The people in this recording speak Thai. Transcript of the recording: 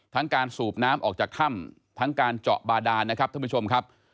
การสูบน้ำออกจากถ้ำทั้งการเจาะบาดานนะครับท่านผู้ชมครับ